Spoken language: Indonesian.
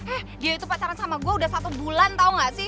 eh dia itu pacaran sama gue udah satu bulan tau gak sih